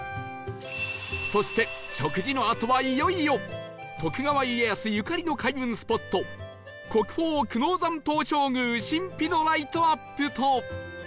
そして食事のあとはいよいよ徳川家康ゆかりの開運スポット国宝久能山東照宮神秘のライトアップと